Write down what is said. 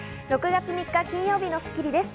６月３日、金曜日の『スッキリ』です。